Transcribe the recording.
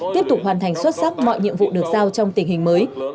tiếp tục hoàn thành xuất sắc mọi nhiệm vụ được giao trong tình hình mới